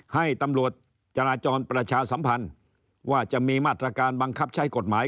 ให้ตำรวจจราจรประชาสัมพันธ์ว่าจะมีมาตรการบังคับใช้กฎหมาย